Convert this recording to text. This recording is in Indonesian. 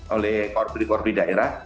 oleh korpri korpri daerah